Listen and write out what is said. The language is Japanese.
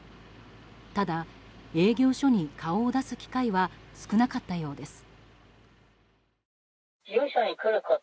ただ、営業所に顔を出す機会は少なかったようです。